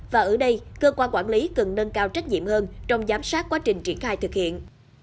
và ở đây cơ quan quản lý cần nâng cao trách nhiệm hơn trong giám sát quá trình triển khai thực hiện